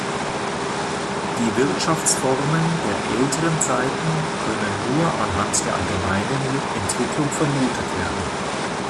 Die Wirtschaftsformen der älteren Zeiten können nur anhand der allgemeinen Entwicklung vermutet werden.